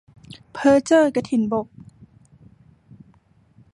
เพ้อเจ้อกฐินบก